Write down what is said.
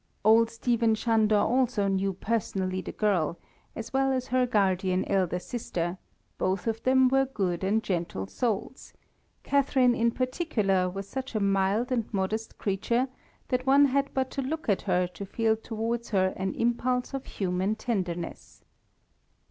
Old Stephen Sándor also knew personally the girl, as well as her guardian elder sister; both of them were good and gentle souls; Catharine, in particular, was such a mild and modest creature that one had but to look at her to feel towards her an impulse of human tenderness.